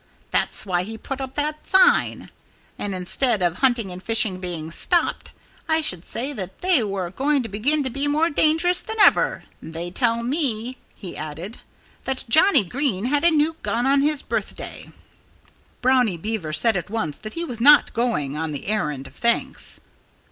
That's why he put up that sign. And instead of hunting and fishing being stopped, I should say that they were going to begin to be more dangerous than ever.... They tell me," he added, "that Johnnie Green had a new gun on this birthday." Brownie Beaver said at once that he was not going on the errand of thanks.